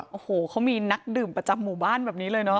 โอ้โหเขามีนักดื่มประจำหมู่บ้านแบบนี้เลยเนอ